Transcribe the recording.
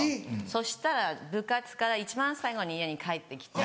そしたら部活から一番最後に家に帰って来て。